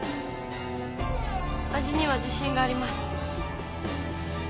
味には自信があります。